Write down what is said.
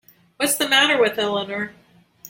What's the matter with Eleanor?